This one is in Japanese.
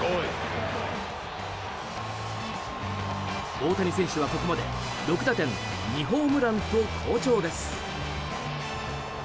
大谷選手はここまで６打点２ホームランと好調です。